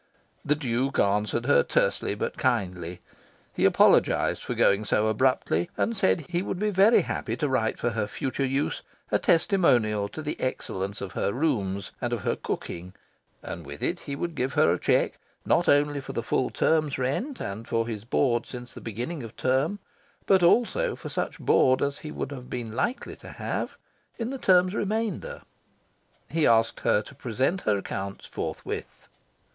The Duke answered her tersely but kindly. He apologised for going so abruptly, and said he would be very happy to write for her future use a testimonial to the excellence of her rooms and of her cooking; and with it he would give her a cheque not only for the full term's rent, and for his board since the beginning of term, but also for such board as he would have been likely to have in the term's remainder. He asked her to present her accounts forthwith.